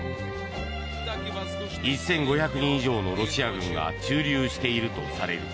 １５００人以上のロシア軍が駐留しているとされる